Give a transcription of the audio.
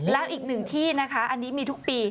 แล้วอีกหนึ่งที่นะคะอันนี้มีทุกปี